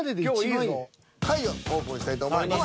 下位をオープンしたいと思います。